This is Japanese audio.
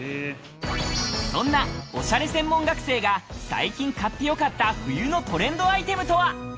そんなお洒落専門学生が最近買ってよかった、冬のトレンドアイテムとは？